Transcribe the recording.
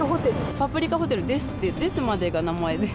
パプリカホテルですって、ですまでが名前で。